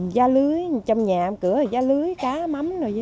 gia lưới trong nhà cửa thì gia lưới cá mắm mọi gì đó